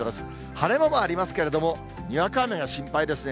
晴れ間もありますけれども、にわか雨が心配ですね。